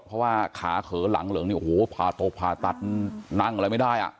เพราะว่าขาเขอหลังเหลืองเนี่ยโอ้โหผ่าโตผ่าตัดนั่งอะไรไม่ได้อ่ะ